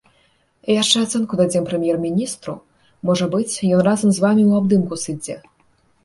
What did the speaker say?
І яшчэ ацэнку дадзім прэм'ер-міністру, можа быць, ён разам з вамі ў абдымку сыдзе.